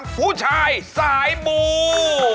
ผู้ชายสายมู